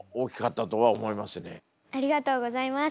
ありがとうございます。